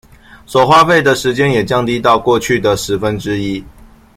所花費的時間也降低到過去的十分之一